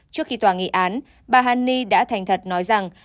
trước khi tòa nghị án bà hằng ni đã thành thật nói rằng